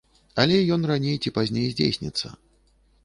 Але ён раней ці пазней здзейсніцца.